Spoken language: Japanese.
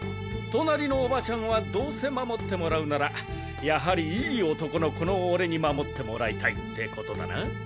隣のおばちゃんはどうせ守ってもらうならやはりイイ男のこのオレに守ってもらいたいってことだな。